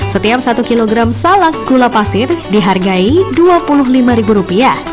setiap satu kilogram salak gula pasir dihargai rp dua puluh lima